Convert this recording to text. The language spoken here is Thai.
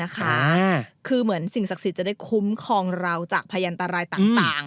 คือเหมือนสิ่งศักดิ์สิทธิ์จะได้คุ้มครองเราจากพยันตรายต่าง